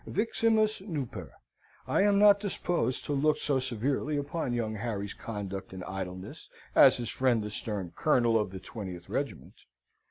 Viximus nuper. I am not disposed to look so severely upon young Harry's conduct and idleness, as his friend the stern Colonel of the Twentieth Regiment.